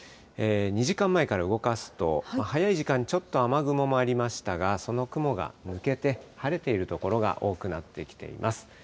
２時間前から動かすと、早い時間、ちょっと雨雲もありましたが、その雲が抜けて、晴れている所が多くなってきています。